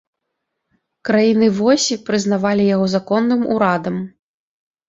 Краіны восі прызнавалі яго законным урадам.